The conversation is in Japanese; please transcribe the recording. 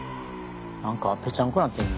何かぺちゃんこになってんね。